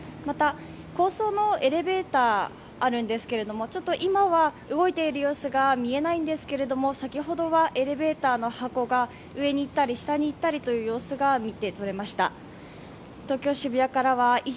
またそのエレベーターがあるんですけれどもちょっと今は動いている様子が見えないんですけれども先ほどは、エレベーターの箱が上にいったり下に行ったりという様子が見て取れました。